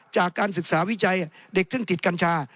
จากการศึกษาวิจัยเด็กซึ่งติดกัญชา